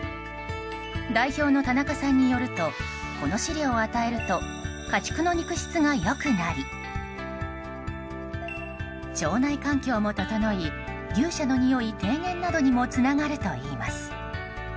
代表の田中さんによるとこの飼料を与えると家畜の肉質が良くなり腸内環境も整い牛舎のにおい低減などにもつながるといいます。